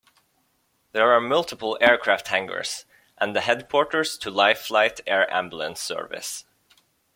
There are multiple aircraft hangers and the headquarters to Life Flight air ambulance service.